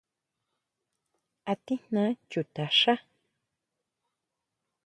¿A tijná chuta xá?